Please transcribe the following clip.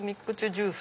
ジュース」。